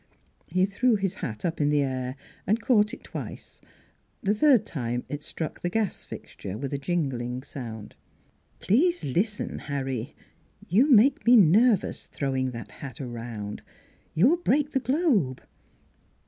He threw his hat up in the air and caught it twice; the third time it struck the gas fixture with a jingling sound. " Please listen, Harry. ... You make me nervous, throwing that hat around. You'll break the globe."